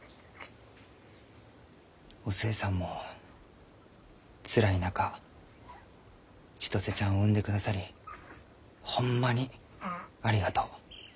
お寿恵さんもつらい中千歳ちゃんを産んでくださりホンマにありがとう。